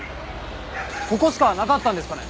ここしかなかったんですかね？